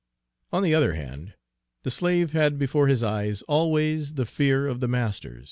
On the other hand, the slave had before his eyes always the fear of the master.